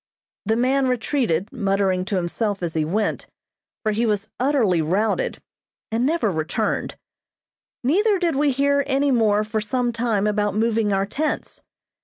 The man retreated, muttering to himself as he went, for he was utterly routed, and never returned; neither did we hear any more for some time about moving our tents.